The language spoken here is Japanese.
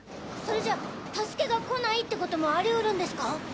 それじゃあ助けが来ないって事もありうるんですか？